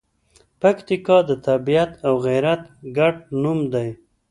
پکتیکا د طبیعت او غیرت ګډ نوم دی.